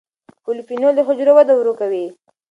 پولیفینول د حجرو وده ورو کوي.